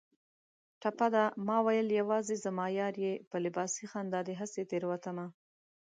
ټپه ده: ماوېل یوازې زما یار یې په لباسي خندا دې هسې تېروتمه